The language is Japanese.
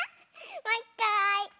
もういっかい！